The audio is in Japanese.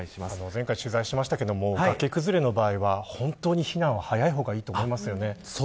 前回も取材しましたが崖崩れの場合は本当に避難は早い方がいいと思いますよね。